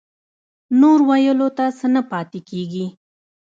نور ويلو ته څه نه پاتې کېږي.